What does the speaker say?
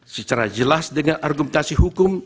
secara jelas dengan argumentasi hukum